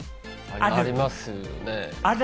ありますよね？